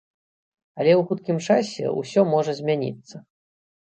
Але ў хуткім часе ўсё можа змяніцца.